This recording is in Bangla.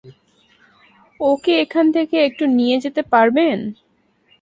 ওকে এখান থেকে একটু নিয়ে যেতে পারবেন?